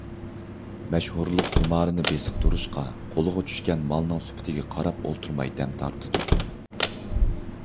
مەشھۇرلۇق خۇمارىنى بېسىقتۇرۇشقا قولىغا چۈشكەن مالنىڭ سۈپىتىگە قاراپ ئولتۇرماي دەم تارتىدۇ.